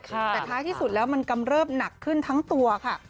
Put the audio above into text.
แต่ท้ายที่สุดแล้วมันกำเริบหนักขึ้นทั้งตัวค่ะ